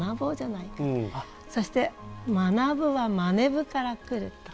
そして「学ぶ」は「まねぶ」から来ると。